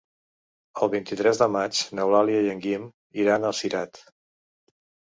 El vint-i-tres de maig n'Eulàlia i en Guim iran a Cirat.